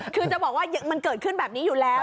คือจะบอกว่ามันเกิดขึ้นแบบนี้อยู่แล้ว